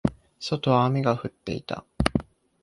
外は雨が降っていた。